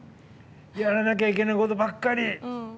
やらなきゃいけないことばっかり！